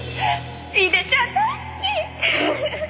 井出ちゃん大好き！